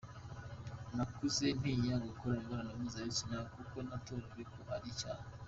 Nakuze ntinya gukora imibonano mpuzabitsina kuko natojwe ko ari icyaha.